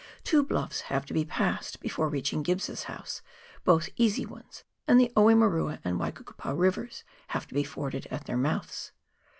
Two bluffs have to be passed before reaching Gibb's house, both easy ones, and the Oemerua and Waikukupa Rivers have to be forded at their mouths.